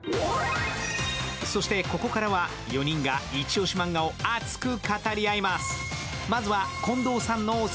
そしてここからは４人がイチ押し漫画を熱く語り合います。